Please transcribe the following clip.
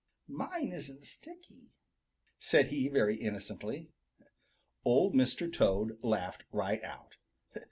"Mine isn't sticky," said he very innocently. Old Mr. Toad laughed right out.